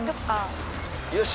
よし。